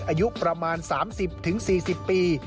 อายุประมาณ๓๐๔๐ปี